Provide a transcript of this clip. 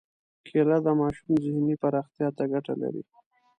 کېله د ماشوم ذهني پراختیا ته ګټه لري.